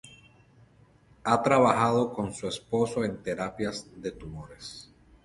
Ha trabajado con su esposo en terapias de tumores.